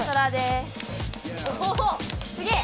すげえ！